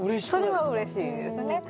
それはうれしいですね。